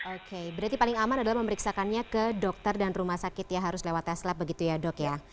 oke berarti paling aman adalah memeriksakannya ke dokter dan rumah sakit ya harus lewat tes lab begitu ya dok ya